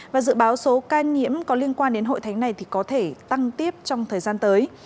và dự báo số ca nhiễm có liên quan đến hội thánh này có thể tăng tiếp trong thời gian tới